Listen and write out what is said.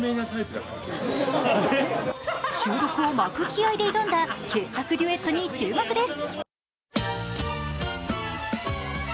収録を巻く気合いで挑んだ傑作デュエットに注目です。